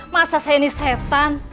masa saya ini setan